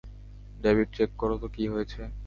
David, check করো তো কি হয়েছে!